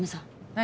何？